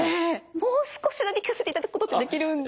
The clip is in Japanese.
もう少しだけ聴かせていただくことってできるんですか？